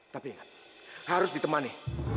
tapi ingat harus ditemani